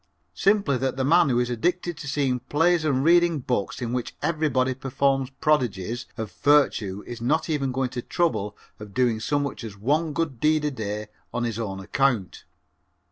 Simply that the man who is addicted to seeing plays and reading books in which everybody performs prodigies of virtue is not even going to the trouble of doing so much as one good deed a day on his own account.